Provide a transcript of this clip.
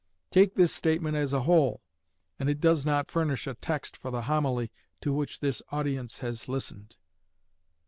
Take this statement as a whole, and it does not furnish a text for the homily to which this audience has listened."